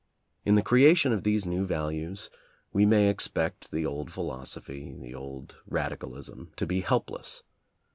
In the creation of these new values, we may expect the old philosophy, the old radicalism, to be helpless.